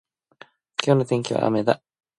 今日の天気は雨だ。